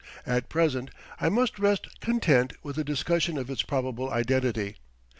At present I must rest content with a discussion of its probable identity.